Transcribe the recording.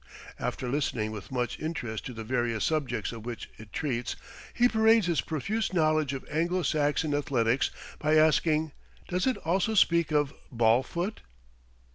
After listening with much interest to the various subjects of which it treats, he parades his profuse knowledge of Anglo Saxon athletics by asking: "Does it also speak of ballfoot?"